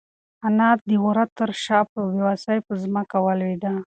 انا د وره تر شا په بېوسۍ کې په ځمکه ولوېده.